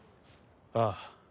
ああ。